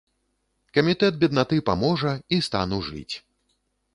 Камітэт беднаты паможа, і стану жыць.